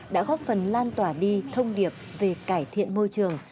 đã góp phần lan tỏa đi thông điệp về cải thiện môi trường